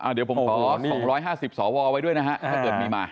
๒๕๐สรวเอาไว้ด้วยนะครับ